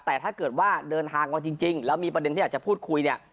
แต่ถ้าเกิดว่าเดินทางมาจริงแล้วมีประเด็นที่อยากจะพูดคุยเนี่ย